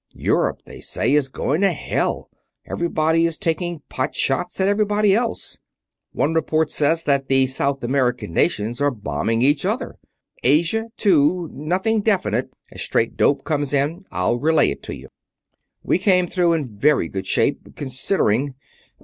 Europe, they say, is going to hell everybody is taking pot shots at everybody else. One report says that the South American nations are bombing each other ... Asia, too ... nothing definite; as straight dope comes in I'll relay it to you. "We came through in very good shape, considering